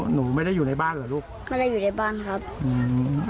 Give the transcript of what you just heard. หนูไม่ได้อยู่ในบ้านเหรอลูกไม่ได้อยู่ในบ้านครับอืม